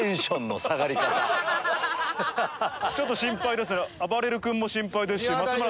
ちょっと心配ですね。